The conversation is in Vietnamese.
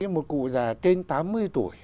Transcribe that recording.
một cụ già trên tám mươi tuổi